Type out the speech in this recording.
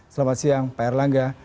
selamat siang pak erlangga